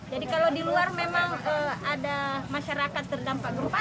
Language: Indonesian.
jadi kalau di luar memang ada masyarakat terdampak gempa